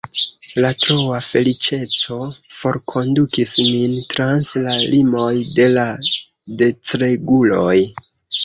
La troa feliĉeco forkondukis min trans la limoj de la decreguloj.